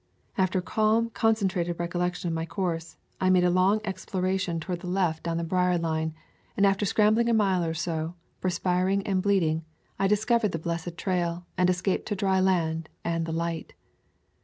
After calm, concentrated recollection of my course, I made a long exploration toward the [ 120 ] Florida Swamps and Forests left down the brier line, and after scrambling a mile or so, perspiring and bleeding, I discov ered the blessed trail and escaped to dry land and the light.